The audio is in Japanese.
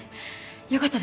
よかったです